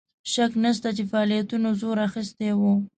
شک نسته چې فعالیتونو زور اخیستی وو.